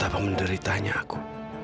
tentang penderitanya aku